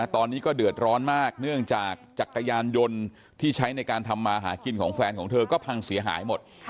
ตอนนี้ก็เดือดร้อนมากเนื่องจากจักรยานยนต์ที่ใช้ในการทำมาหากินของแฟนของเธอก็พังเสียหายหมด